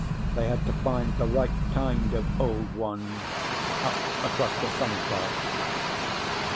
They had to find the right kind of Old Ones. Up across the sun path.